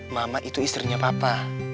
mama itu istrinya papa